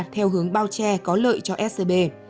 theo hướng bao che có lợi cho scb